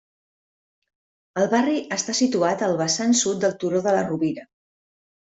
El barri està situat al vessant sud del Turó de la Rovira.